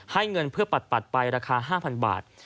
ให้เงินเพื่อปัดปัดไปราคา๕๐๐๐บาท